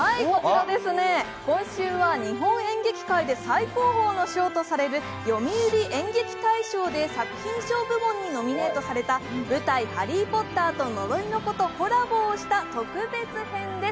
今週は日本演劇界で最高峰の賞とされる読売演劇大賞で作品賞部門にノミネートされた舞台「ハリー・ポッターと呪いの子」とコラボをした特別編です。